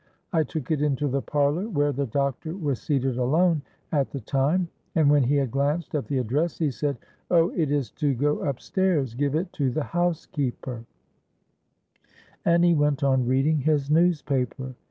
I took it into the parlour, where the doctor was seated alone at the time; and, when he had glanced at the address, he said, 'Oh! it is to go up stairs: give it to the housekeeper:'—and he went on reading his newspaper.